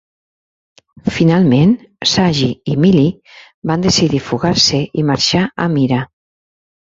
Finalment, Sagi i Milly van decidir fugar-se i marxar a Mira.